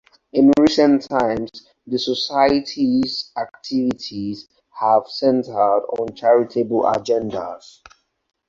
In recent times, the society's activities have centred on charitable agendas.